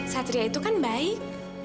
satria itu kan baik